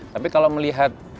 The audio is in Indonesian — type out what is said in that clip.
tapi kalau melihat